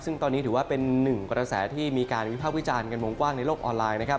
ซึ่งตอนนี้ถือว่าเป็นหนึ่งกระแสที่มีการวิภาควิจารณ์กันวงกว้างในโลกออนไลน์นะครับ